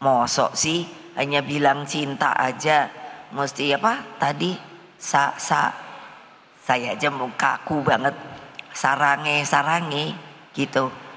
masuk sih hanya bilang cinta aja mustiapa tadi saksa saya aja mau kaku banget sarangnya sarangnya gitu